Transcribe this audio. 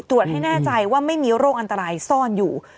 ให้แน่ใจว่าไม่มีโรคอันตรายซ่อนอยู่